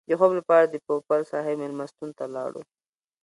د خوب لپاره د پوپل صاحب مېلمستون ته لاړو.